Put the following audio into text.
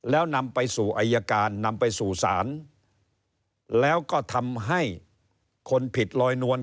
แล้วนำไปสู่อายการนำไปสู่ศาลแล้วก็ทำให้คนผิดลอยนวล